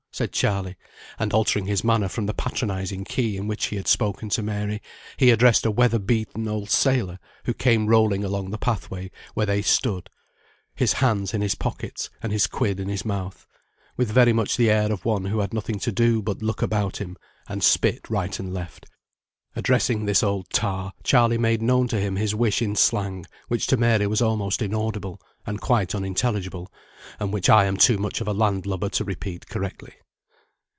said Charley; and altering his manner from the patronising key in which he had spoken to Mary, he addressed a weather beaten old sailor who came rolling along the pathway where they stood, his hands in his pockets, and his quid in his mouth, with very much the air of one who had nothing to do but look about him, and spit right and left; addressing this old tar, Charley made known to him his wish in slang, which to Mary was almost inaudible, and quite unintelligible, and which I am too much of a land lubber to repeat correctly.